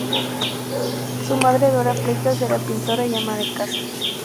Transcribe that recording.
Su madre, Dora Fleitas, era pintora y ama de casa.